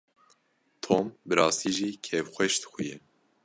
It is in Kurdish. Tom bi rastî jî kêfxweş dixuye.